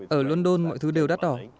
ở london mọi thứ đều đắt đỏ